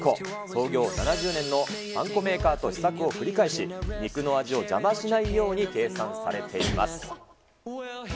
創業７０年のパン粉メーカーと試作を繰り返し、肉の味を邪魔しないように計算されています。